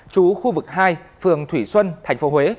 chú khu vực hai phường thủy xuân thành phố huế